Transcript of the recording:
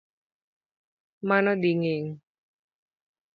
Mano dhi geng'